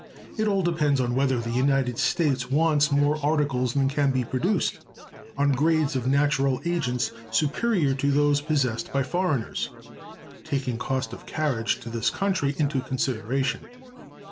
It all depends on whether the United States wants more articles than can be produced on grades of natural agents superior to those possessed by foreigners, taking cost of carriage to this country into consideration.